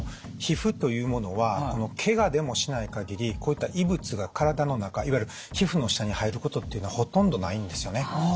皮膚というものはケガでもしない限りこういった異物が体の中いわゆる皮膚の下に入ることっていうのはほとんどないんですよね。